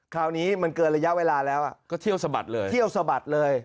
คราวนี้มันเกินระยะเวลาแล้วก็เที่ยวสะบัดเลยเที่ยวสะบัดเลย